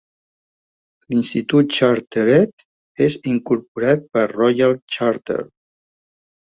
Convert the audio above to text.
L'Institut Chartered és incorporat per Royal Charter.